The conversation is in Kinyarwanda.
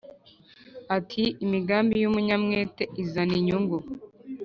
Ati “imigambi y’umunyamwete izana inyungu”